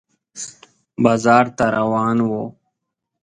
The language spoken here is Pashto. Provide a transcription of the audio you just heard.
بازار ته روان و